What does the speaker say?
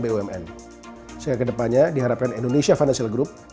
sehingga kedepannya diharapkan indonesia financial group